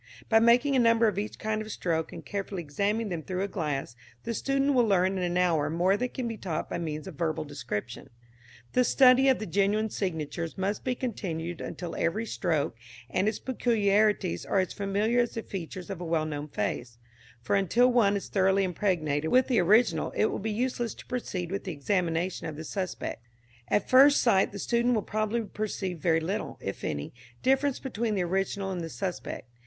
By making a number of each kind of stroke and carefully examining them through a glass, the student will learn in an hour more than can be taught by means of verbal description. The study of the genuine signatures must be continued until every stroke and its peculiarities are as familiar as the features of a well known face, for until one is thoroughly impregnated with the original it will be useless to proceed with the examination of the suspects. At first sight the student will probably perceive very little, if any, difference between the original and the suspect.